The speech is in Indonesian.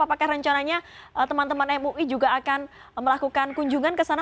apakah rencananya teman teman mui juga akan melakukan kunjungan ke sana